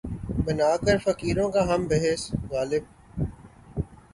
بنا کر فقیروں کا ہم بھیس، غالبؔ!